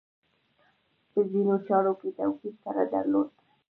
په ځینو چارو کې توپیر سره درلود.